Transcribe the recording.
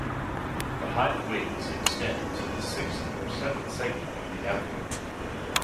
The hind wings extend to the sixth or seventh segment of the abdomen.